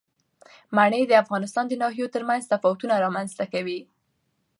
منی د افغانستان د ناحیو ترمنځ تفاوتونه رامنځ ته کوي.